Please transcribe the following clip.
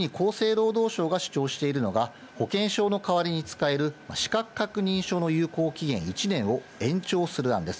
その代わり、延期反対派、特に厚生労働省が主張しているのが、保険証の代わりに使える資格確認書の有効期限１年を延長する案です。